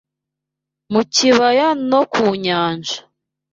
mu bibaya no ku nyanja.